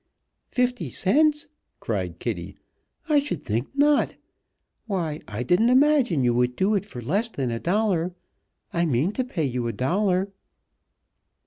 "Fifty cents!" cried Kitty. "I should think not! Why, I didn't imagine you would do it for less than a dollar. I mean to pay you a dollar."